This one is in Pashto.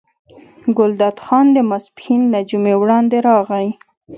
ګلداد خان د ماسپښین له جمعې وړاندې راغی.